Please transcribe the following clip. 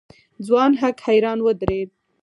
ځوان هک حيران ودرېد.